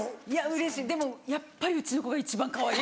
うれしいでもやっぱりうちの子が一番かわいい。